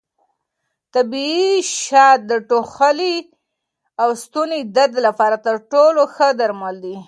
طبیعي شات د ټوخي او ستوني درد لپاره تر ټولو ښه درمل دي.